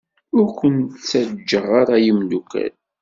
Ur ken-ttaǧǧaɣ ara a imeddukal.